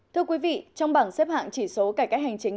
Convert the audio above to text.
thưa quý vị trong bảng xếp hạng chỉ số cải cách hành chính